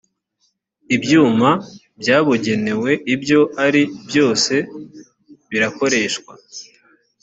ibyuma byabugenewe ibyo ari byose birakoreshwa